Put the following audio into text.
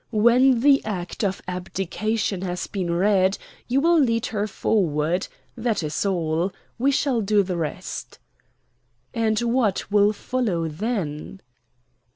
When the Act of Abdication has been read, you will lead her forward. That is all. We shall do the rest." "And what will follow then?"